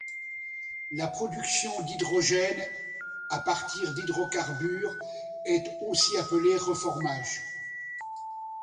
La production d'hydrogène à partir d'hydrocarbures est aussi appelée reformage.